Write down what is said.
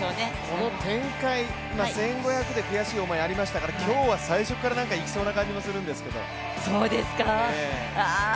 この展開、１５００で悔しい思いありましたから今日は最初からいきそうな感じもするんですけど。